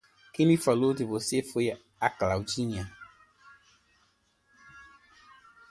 Quem me falou de você foi a Claudinha.